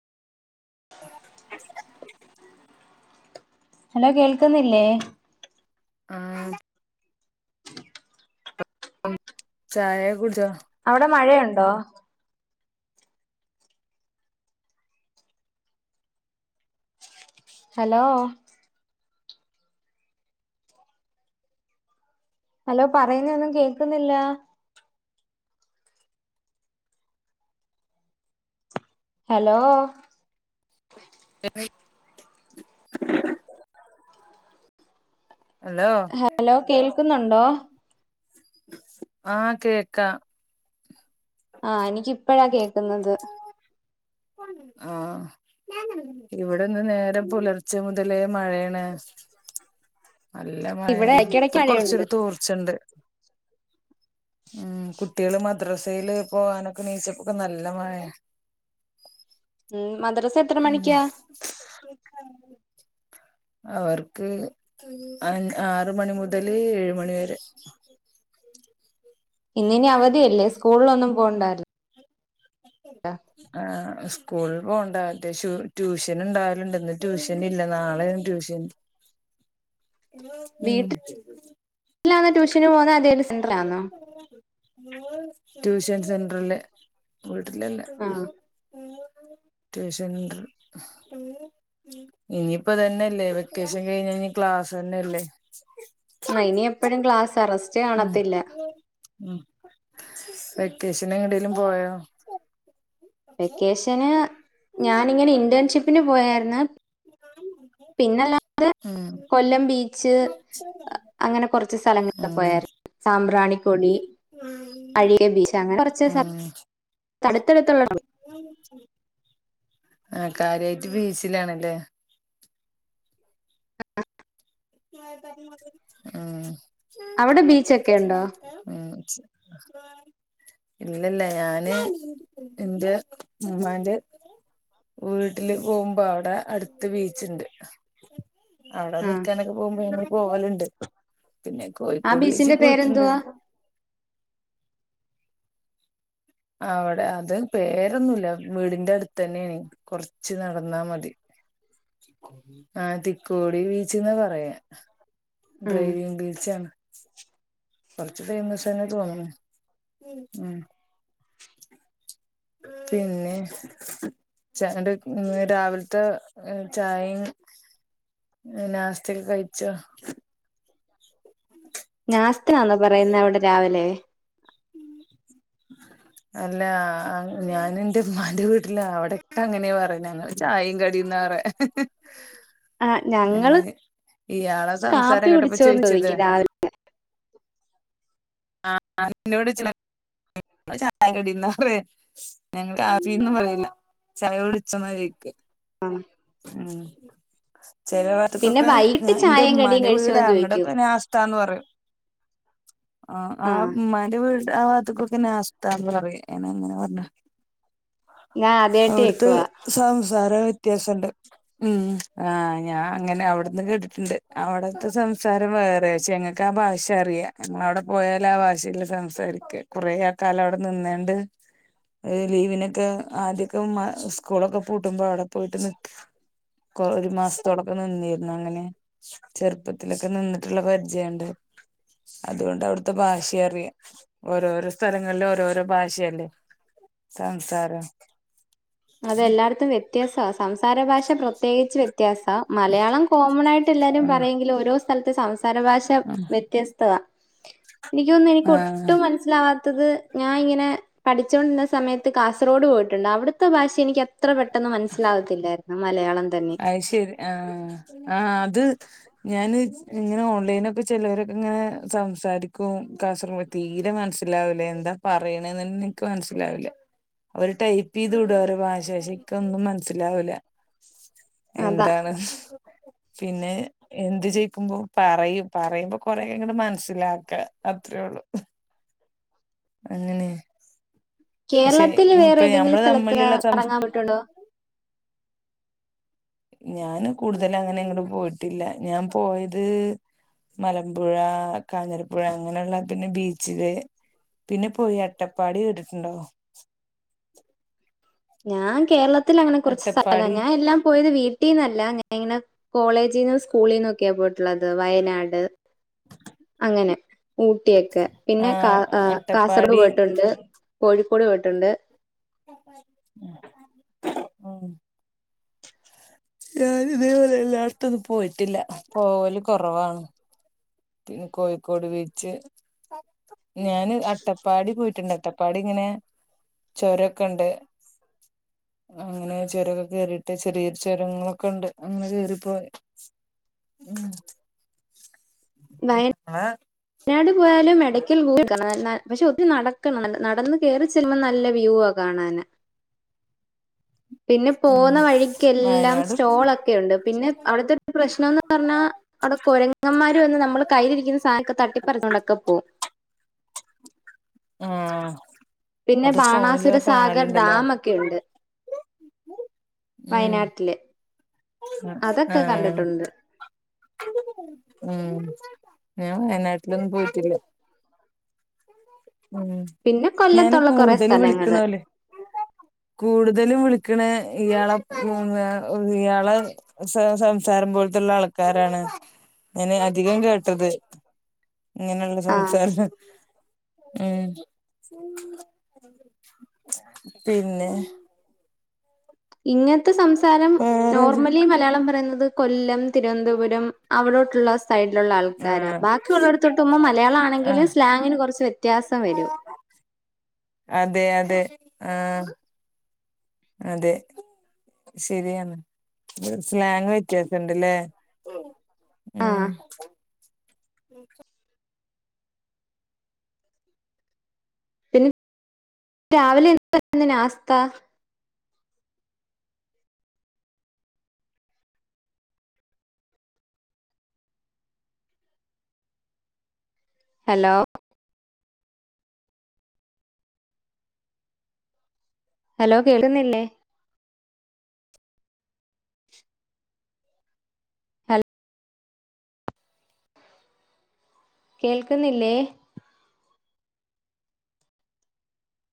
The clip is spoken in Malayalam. ഹലോ കേൾക്കുന്നില്ലേ ആ ചായ കുടി ച്ച ണ്ടോ ഹലോ ഹലോ പറയുന്ന ഒന്നും കേക്കുന്നില്ല ഹലോ ഹലോ ഹലോ കേൾക്കുന്നുണ്ടോ ആ കേക്ക ആ എനിക്ക് ഇ പ്പോഴാ കേക്കുന്നത് ആ ഇവിടെന്ന് നേരം പുലർച്ചെ മുതലേ മഴയാണ് നല്ല മഴ ഇവിടെ ഇടയ്ക്കിടയ്ക്ക് ഇപ്പൊ മഴയുണ്ട് കൊറച്ചൂരു തൂർച്ചുണ്ട് ഉം കുട്ട കുട്ടികള് മദ്രസയില് പോവാനൊക്കെ നീച്ചപ്പൊക്കെ നല്ല മഴ ഉം മദ്രസ എത്ര ഉം മണിക്കാ അവർക്ക് അ ആറു മണി മുതല് ഏഴ്‌ മണി വരെ ഇന്നിനി അവധിയല്ലേ സ്കൂളിലൊന്നും പോകണ്ടാല്ലോ ആ സ്കൂളിൽ പോണ്ട ട്യൂ ട്യൂഷനുണ്ടാലുണ്ട് ഇന്ന് ട്യൂഷൻ ഇല്ല നാളെയാണ് ട്യൂഷൻ ഉം വീട്ടിലാണോ ട്യൂഷന് പോകുന്നുത് അ ടൂഷൻ സെ ജനറല് വീട്ടിലല്ലെ ആഹ് ട്യൂഷൻ ഇനിയിപ്പതന്നെല്ലേ വെക്കേഷൻ കഴിഞ്ഞ ഇനി ക്ലാസ്ന്നെല്ലേ ആ ഇനി എപ്പഴും ക്ലാസ് റസ്റ്റ് കാണത്തില്ല വെക്കേഷന് എങ്ങടെലും പോയോ വെക്കേഷന് ഞാനിങ്ങനെ ഇന്റൺഷിപ്പിന് പോയാര്ന്ന് പിന്നല്ലാതെ ഉം കൊല്ലം ബീച്ച് അങ്ങനെ കുറച്ച് സ്ഥലങ്ങളൊക്കെ ഉം പോയരുന്നു സാമ്പ്രാണി പൊടി അഴികെ ബീച്ച് അങ്ങനെ കൊറച്ച് ഉം തടുത്തടുത്തുള്ളടം ആ കാര്യായിട്ട് ബിച്ചിലാണല്ലേ ആ [inaudible] അവിടെ ബീച്ചൊക്കെ ഉണ്ടോ ഇല്ലല്ല ഞാന് ന്റെ ഉമ്മാന്റെ വീട്ടില് പോകുമ്പോ അവിടെ അടുത്ത് ബീച്ച്ണ്ട് ആവ്ടെ ആ നി നിനൊക്കെ പോകുമ്പോ ഞങ്ങള് പോവല്ണ്ട് പിന്നെ ആ കോഴിക്കോട് ബീച്ചിന്റെ ബീച്ചിപോയിട്ട്ണ്ട് പേരെന്തുവാ അവിടെ അത് പേരൊന്നുല്ല വീടിന്റെടുത്ത തന്നെണെ കൊറച്ച് നടന്നാ മതി ആ തിക്കോടി ബീച്ച്ന്നാ പറയാ ഉം ഡ്രൈവിങ്ങ് ബിച്ചാണ് കൊറച്ച് ഫേമസ് തന്നെ തോന്നണ് ഉം പിന്നെ ചാ രണ്ട് ഇന്ന് രാവിത്തെ ചായയും നാസ്തക്കെ കഴിച്ചോ നാസ്തയന്നോ പറയുന്ന അവിടെ രാവിലെ അല്ല ഞാൻ ന്റെമ്മാന്റെ വീട്ടിലാ അവിടെക്കെ അങ്ങനെ പറയണ് ഞങ്ങള് ചായും കടിന്നാ പറയാ ആ ഞങ്ങള് ഇയാളെ കാപ്പി സംസാരം കേട്ടപ്പം കുടിച്ചോന്ന് ചോയിച്ചത് ചോദിക്കും രാവിലെ [unintelligible] ചായാകുടിന്നാ പറയാ ഞങ്ങള് കാപ്പിന്നും പറയില്ല ചായ കുടിച്ചോന്ന ചോയിക്ക ആ ഉം പിന്നെ ചെലവടതൊക്കെ വൈകിട്ട് ന്റെ ചായയും കടിയും ഉമ്മാന്റെ വീടാ കഴിച്ചോന്ന് ചോദിക്കും അങ്ങടെക്കെ നാസ്ത പറയും ആ ആ ഉമ്മാന്റെ വീട് ആ വതുക്കൊക്കെ നാസ്താന്ന് പറയും അങ്ങനെ പറഞ്ഞ ഞാൻ ആദ്യമായിട്ട് അവിടുത്തെ കേൾക്കുവാ സംസാരം വ്യത്യാസൊണ്ട് ഉം ആ ഞാൻ അങ്ങനെ അവിട്ന്ന് കേട്ടിട്ടുണ്ട് അവിടത്തെ സംസാരം വേറെ ആ പക്ഷെ ഞങ്ങൾക്ക് ആ ഭാഷ അറിയാ ഞങ്ങ അവിടെ പോയാല് ആ ഭാഷേല് സംസാരിക്ക കുറേക്കാല അവിടെ നിന്നോണ്ട് ലീവിനൊക്കെ ആദ്യൊക്കെ സ്കൂളൊക്കെ പൂട്ടുമ്പോ അവിടെ പോയിട്ട് കൊറ ഒരു മാസത്തോളംഅവടെ പോയ്‌ നിന്നിരുന്നു അങ്ങനെ ചെറുപ്പത്തിലൊക്കെ നിന്നിട്ടുള്ള പരിചയുണ്ട് അതുകൊണ്ട് അവിടെ ഇത്തെ ഭാഷ അറിയാം ഓരോരോ സ്ഥലങ്ങളില ഓരോരോ ഭാഷയല്ലേ സംസാരം അതെല്ലാടത്തും വ്യത്യാസാ സം സംസാര ഭാഷ പ്രത്യേകിച്ച് വ്യത്യാസാ മലയാളം കോമൺ ആയിട്ട് എല്ലാരും ഉം പറയെങ്കിൽ ഓരോ സ്ഥലത്ത് സം സാര ഭാഷ വ്യത്യസ്തവാ എനിക്കൊന്നും എനിക്ക് ആഹ് ഒട്ടും മനസ്സിലാവാ ത്തത് ഞാൻ ഇങ്ങനെ പഠിച്ചോണ്ടിരുന്ന സമയത്ത് കാസർഗോഡ് പോയിട്ടുണ്ട് അവിടു ത്തെ ഭാഷ എനിക്ക് അത്ര പെട്ടെന്ന് മനസ്സിലാവത്തില്ലായിരുന്നു മലയാളം തന്നെ അത് ശരി ആഹ് ആഹ് അത് ഞാന് ഇങ്ങനെ ഓൺലൈനൊക്കെ ചെലവരൊക്കെ ഇങ്ങനെ സംസാരിക്കും കാസർഗോഡ് തീരെ മനസ്സിലാവില്ല്യ എന്താ പറയണന്ന് എനിക്ക് മനസ്സിലാവില്ല അവര് ടൈപ്പ് ചെയ്ത് വിടും അവരു ഭാഷാ പക്ഷെ ക്ക് ഒന്നും മനസ്സിലാവില്ല അതാ. എന്താണ് പിന്നെ എന്ത് ചോയിക്കുമ്പോ പറയും പറയുമ്പോ കൊറെക്കെ ഇങ്ങ് മനസ്സിലാക്ക അത്രേ ഉള്ളു അങ്ങനെ പക്ഷെ കേരളത്തിൽ വേറെ ഇപ്പൊ ഏതെങ്കിലും ഞമ്മള് സ്ഥലത്ത് തമ്മിലുള്ള സം ഇറങ്ങാൻ പറ്റുണ്ടോ ഞാനും കൂടുതല് അങ്ങനെ എങ്ങടും പോയിട്ടില്ല ഞാൻ പോയത് മലമ്പുഴ കാഞ്ഞിരപ്പുഴ അങ്ങനെയുള്ള പിന്നെ ബീച്ചില് പിന്നെ പോയി അട്ടപ്പാടി കേട്ടിട്ടുണ്ടോ? ഞാൻ കേരള ത്തിലങ്ങന കൊറച്ച് സ്ഥലേ അട്ടപ്പാടി ഞാൻ എല്ലാം പോയത് വീ ട്ടിന്നല്ല ഞാൻ ഇങ്ങനെ കോളേജീന്ന് സ്കൂളീന്നൊക്കെയാ പോയിട്ടുള്ളത് വയനാട് അങ്ങനെ ഊട്ടിയൊക്കെ ആ പിന്നെ കാ കാസർഗോഡ് അട്ടപ്പാടി പോയിട്ടുണ്ട് കോഴിക്കോട് പോയിട്ടുണ്ട് [unintelligible] ഞാൻ ഇതേപോലെ എല്ലായിടത്തും ഒന്നും പോയിട്ടില്ല പോകല് കൊറവാണ് പിന്നെ കോഴിക്കോട് ബീച്ച് ഞാന് അട്ടപ്പാടി പോയിട്ടുണ്ട് അട്ടപ്പാടി ഇങ്ങനെ ചൊരൊക്കെണ്ട് അങ്ങനെ ചൊരൊക്കെ കേറിട്ട് ചെറിയ ചൊരങ്ങളൊക്കെ ഉണ്ട് അങ്ങനെ കേറിപ്പോയി വയ [unintelligible] നാട് പോയാലും [unintelligible] പക്ഷേ ഒത്തിരി നടക്കണം നടന്ന് കേറി ചെല്ലുമ്പോൾ നല്ല വ്യൂ ആ കാണാന്. പിന്നെ ഉം പോവുന്ന വഴിക്കെല്ലാം വയനാട് സ്റ്റോളൊക്കെ ഉണ്ട് പിന്നെ അവിടത്തെ ഒരു പ്രശ്നന്ന് പറഞ്ഞാ അവിടെ കുരങ്ങന്മാര് വന്ന് നമ്മളെ കയ്യിലിരിക്കുന്ന സാനൊക്കെ ത ണ്ടൊക്കെ പോവും. ആഹ് പിന്നെ അത് ഫോണില് ബാണാസുര സാഗർ കാണലുണ്ടല്ലോ ഡാം ഒക്കെയുണ്ട് ഉം വയനാട്ടില്. അതൊക്കെ ആഹ് കണ്ടിട്ടുണ്ട് ഉം ഞാൻ വയനാട്ടിലൊന്നും പോയിട്ടില്ല. ഉം പിന്നെ ഞാന് കൊല്ലത്തുള്ള കൊറേ കൂടുതല് സ്ഥലങ്ങള് വിളിക്കണോല്ലേ കൂടുതലും വിളിക്കണ ഇയാളെ ഇയാളെ സംസാരം പോലത്തുള്ള ആൾക്കാരാണ് ഞാന് അധികം കേട്ടത്. ഇങ്ങനെയുള്ള ആഹ് സംസാര ഉം പിന്നെ ഇങ്ങനത്തെ സംസാരം വേറെത് നോർമലി മലയാളം പറയുന്നത് കൊല്ലം തിരുവനന്തപുരം അവിടോട്ടുള്ള സൈഡിലുള്ള ആൾക്കാരാ ആഹ് ബാക്കിയുള്ളടത്തോട്ട് പോവുമ്പോ മലയാളം ആഹ് ആണെങ്കിലും സ്ലാങ്ങിന് കുറച്ച് വ്യത്യാസം വരും. അതെ അതെ ആഹ് അതെ ശരിയാണ് സ്ലാങ് വ്യത്യാസുണ്ടലെ? ഉം. ആഹ് പിന്നെ രാവിലെ എന്തായിരുന്നു നാസ്ത? ഹലോ? ഹലോ കേൾന്നില്ലേ? ഹല കേൾക്കുന്നില്ലേ?